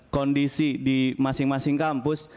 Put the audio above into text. kondisi di masing masing kampus